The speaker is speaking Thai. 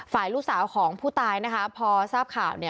ฝ่ายลูกสาวของผู้ตายนะคะพอทราบข่าว